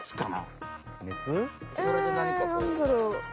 熱？えなんだろう。